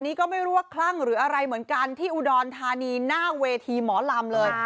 นี่ก็ไม่รู้ว่าคลั่งหรืออะไรเหมือนกันที่อุดรธานีหน้าเวทีหมอลำเลย